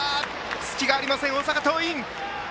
隙がありません、大阪桐蔭。